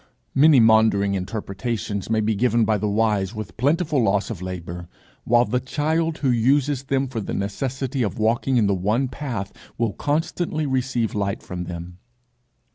Many maundering interpretations may be given by the wise, with plentiful loss of labour, while the child who uses them for the necessity of walking in the one path will constantly receive light from them.